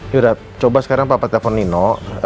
yudha coba sekarang papa telepon nino